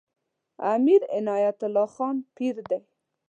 امیر عنایت الله خان پیر دی.